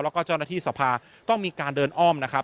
แล้วก็เจ้าหน้าที่สภาต้องมีการเดินอ้อมนะครับ